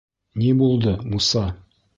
— Ни булды, Муса?